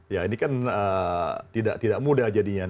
ya ini kan tidak mudah jadinya